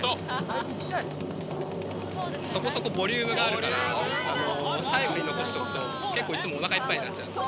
そこそこボリュームがあるから、最後に残しておくと、結構いつもおなかいっぱいになっちゃうんですよ。